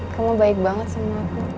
kamu baik banget sama aku